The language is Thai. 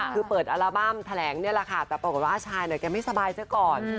คือเปิดอัลบั้มแถลงนี่แหละค่ะแต่ปรากฏว่าอาชายหน่อยแกไม่สบายซะก่อน